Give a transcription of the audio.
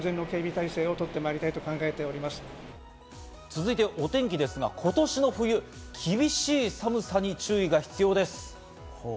続いてお天気ですが、今年の冬、厳しい寒さに注意が必要です。